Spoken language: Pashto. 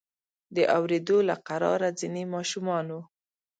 د اوریدو له قراره ځینې ماشومانو.